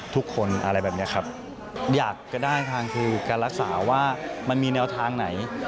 ทุกคนอะไรแบบนี้ครับอยากจะได้ทางคือการรักษาว่ามันมีแนวทางไหน